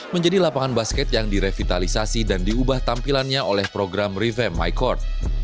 menjadi lapangan basket yang direvitalisasi dan diubah tampilannya oleh program revamp my court